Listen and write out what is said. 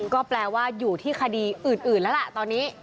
ก็แปลว่าอยู่ที่คดีอื่นแล้วล่ะตอนนี้